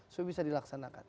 apa yang bisa dilaksanakan